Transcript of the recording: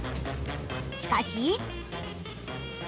しかし！